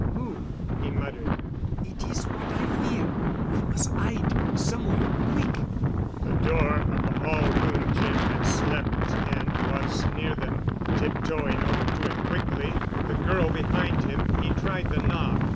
Who?" he muttered. "It is what I fear'. We mus' 'ide—somewhere—quick!" The door of the hall room Jim had slept in was near them. Tiptoeing over to it quickly, the girl behind him, he tried the knob.